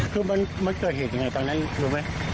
คือมันเกิดเหตุยังไงตอนนั้นรู้ไหม